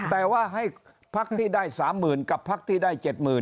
แต่ว่าให้พักที่ได้๓๐๐๐กับพักที่ได้๗๐๐